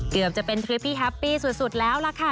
เกือบจะเป็นทริปที่แฮปปี้สุดแล้วล่ะค่ะ